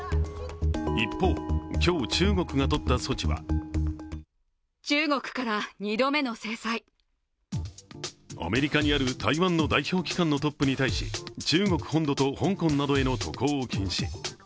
一方、今日、中国がとった措置はアメリカにある台湾の代表機関のトップに対し、中国本土と香港などへの渡航を禁止。